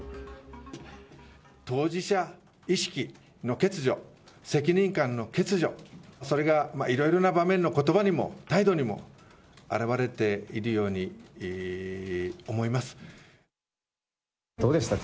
当事者意識の欠如、責任感の欠如、それがいろいろな場面のことばにも態度にも、どうでした？